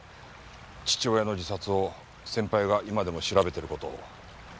父親の自殺を先輩が今でも調べてる事を。